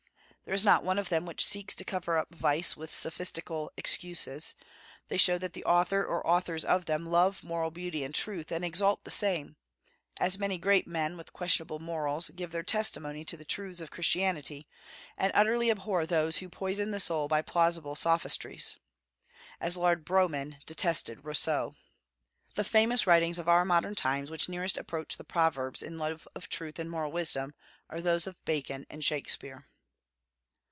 There is not one of them which seeks to cover up vice with sophistical excuses; they show that the author or authors of them love moral beauty and truth, and exalt the same, as many great men, with questionable morals, give their testimony to the truths of Christianity, and utterly abhor those who poison the soul by plausible sophistries, as Lord Brougham detested Rousseau. The famous writings of our modern times which nearest approach the Proverbs in love of truth and moral wisdom are those of Bacon and Shakspeare.